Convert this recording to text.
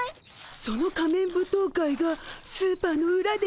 その仮面舞踏会がスーパーのうらで開かれる。